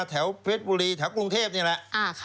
แถวเพชรบุรีแถวกรุงเทพนี่แหละ